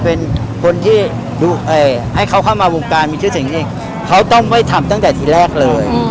เป็นคนที่ให้เขาเข้ามาวงการมีชื่อเสียงจริงเขาต้องไม่ทำตั้งแต่ทีแรกเลย